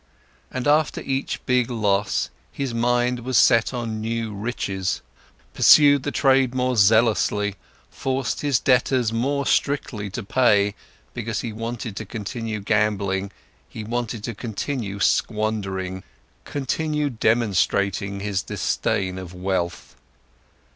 And after each big loss, his mind was set on new riches, pursued the trade more zealously, forced his debtors more strictly to pay, because he wanted to continue gambling, he wanted to continue squandering, continue demonstrating his disdain of wealth.